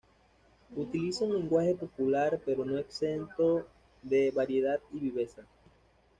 Utiliza un lenguaje popular pero no exento de variedad y viveza.